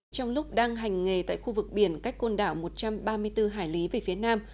trong lúc đang hành nghề tại khu vực biển cách côn đảo một trăm ba mươi bốn hải lý về phía nam